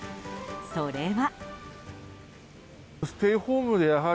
それは。